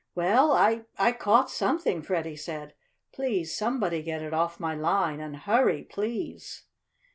"Well, I I caught something!" Freddie said. "Please somebody get it off my line. And hurry, please!"